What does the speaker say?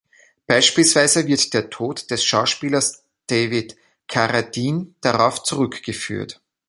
Beispielsweise wird der Tod des Schauspielers David Carradine darauf zurückgeführt.